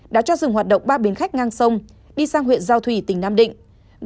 đã cho dừng hoạt động ba bến khách ngang sông đi sang huyện giao thủy tỉnh nam định